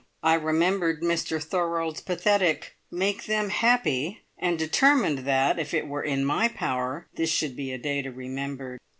I remembered Mr Thorold's pathetic "Make them happy!" and determined that, if it were in my power, this should be a day to be remembered.